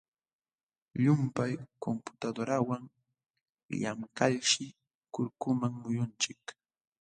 Llumpay computadorawan llamkalshi kurkuman muyunchik.